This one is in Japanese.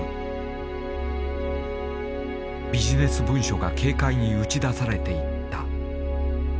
ビジネス文書が軽快に打ち出されていった。